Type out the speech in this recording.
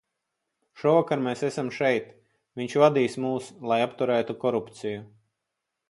Šovakar mēs esam šeit, viņš vadīs mūs, lai apturētu korupciju.